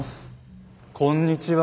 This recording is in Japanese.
こんにちは。